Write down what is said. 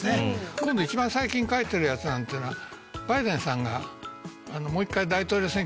今度一番最近書いてるやつなんていうのはバイデンさんがもう一回大統領選挙に出るって。